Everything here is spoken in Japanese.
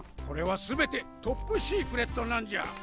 これはすべてトップシークレットなんじゃ。